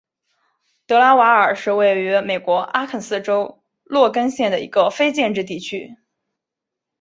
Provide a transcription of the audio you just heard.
德拉瓦尔是位于美国阿肯色州洛根县的一个非建制地区。